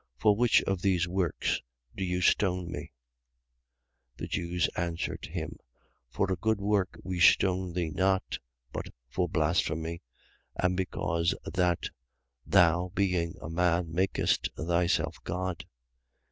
For which of those works do you stone me? 10:33. The Jews answered him: For a good work we stone thee not, but for blasphemy: and because that thou. being a, man, makest thyself God.